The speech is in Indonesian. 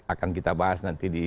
akan kita bahas nanti di